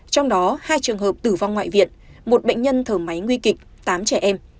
trong đó hai trường hợp tử vong ngoại viện một bệnh nhân thở máy nguy kịch tám trẻ em